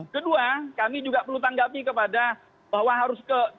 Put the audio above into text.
kedua kami juga perlu tanggapi kepada bahwa harus ke